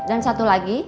dan satu lagi